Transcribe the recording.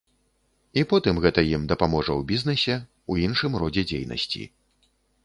І потым гэта ім дапаможа ў бізнэсе, у іншым родзе дзейнасці.